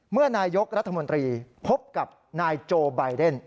เมื่อนายกรัฐมนตรีพบกับนายโจไบเดน